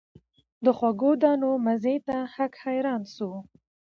د خوږو دانو مزې ته هک حیران سو